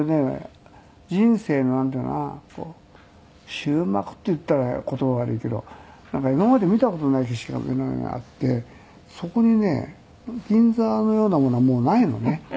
終幕っていったら言葉悪いけどなんか今まで見た事ない景色が目の前にあってそこにね銀座のようなものはもうないのね。